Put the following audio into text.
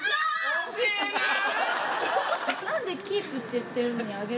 惜しいなぁ！